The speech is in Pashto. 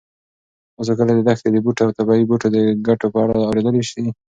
تاسو کله د دښتي بوټو او طبي بوټو د ګټو په اړه اورېدلي دي؟